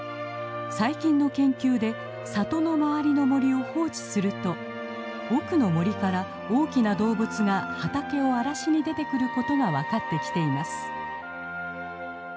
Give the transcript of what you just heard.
最近の研究で里の周りの森を放置すると奥の森から大きな動物が畑を荒らしに出てくることが分かってきています。